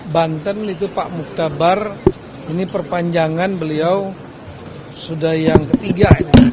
banten itu pak muktabar ini perpanjangan beliau sudah yang ketiga